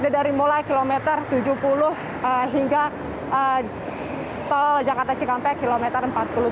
dari mulai kilometer tujuh puluh hingga tol jakarta cikampek kilometer empat puluh dua